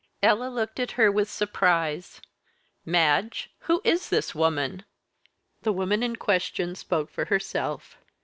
Ella looked at her with surprise. "Madge! who is this woman?" The woman in question spoke for herself.